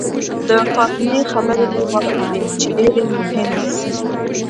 د فاطمې خبرې مې واورېدې چې ډېرې مهمې وې.